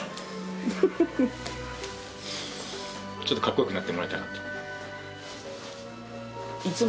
ちょっとかっこよくなってもらいたかった？